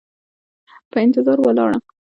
په انتظار ولاړه